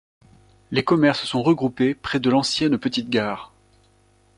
Les commerces sont regroupés près de l'ancienne petite gare.